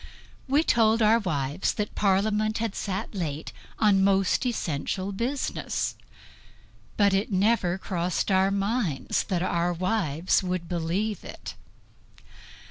We told our wives that Parliament had sat late on most essential business; but it never crossed our minds that our wives would believe it.